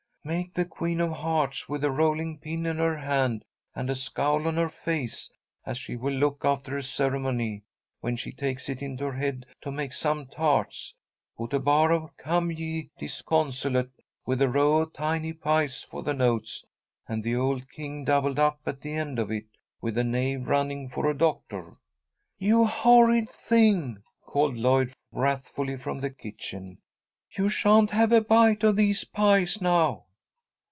"Make the Queen of Hearts with a rolling pin in her hand and a scowl on her face, as she will look after the ceremony, when she takes it into her head to make some tarts. Put a bar of 'Come, ye disconsolate,' with a row of tiny pies for the notes, and the old king doubled up at the end of it, with the knave running for a doctor." "You horrid thing!" called Lloyd, wrathfully, from the kitchen. "You sha'n't have a bite of these pies now."